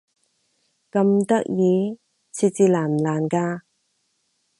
咁得意？設置難唔難㗎？